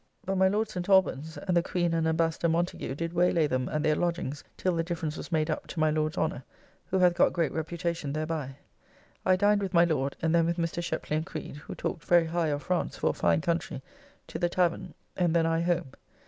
But my Lord St. Alban's, and the Queen and Ambassador Montagu, did waylay them at their lodgings till the difference was made up, to my Lord's honour; who hath got great reputation thereby. I dined with my Lord, and then with Mr. Shepley and Creed (who talked very high of France for a fine country) to the tavern, and then I home.